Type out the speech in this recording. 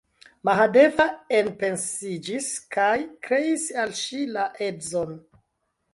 Mahadeva enpensiĝis kaj kreis al ŝi la edzon!